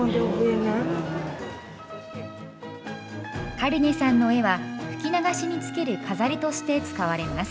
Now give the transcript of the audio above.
カリネさんの絵は吹き流しにつける飾りとして使われます。